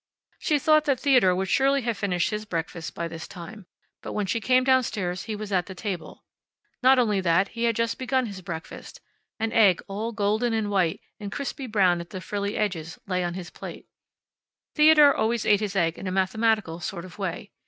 She thought that Theodore would surely have finished his breakfast by this time. But when she came down stairs he was at the table. Not only that, he had just begun his breakfast. An egg, all golden, and white, and crisply brown at the frilly edges, lay on his plate. Theodore always ate his egg in a mathematical sort of way.